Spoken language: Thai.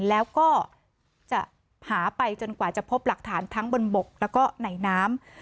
แล้วก็จะหาไปจนกว่าจะพบหลักฐานทั้งบนบกแล้วก็ไหนน้ำ